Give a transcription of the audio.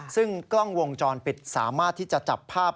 ซึ่งกล้องวงจรปิดสามารถที่จะจับภาพ